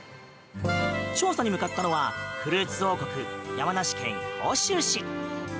調査に向かったのはフルーツ王国・山梨県甲州市。